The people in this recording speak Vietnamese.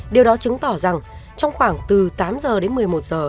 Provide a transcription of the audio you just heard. điều đó chứng tỏ rằng trong khoảng từ tám giờ đến một mươi một giờ